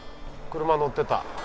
車乗ってた。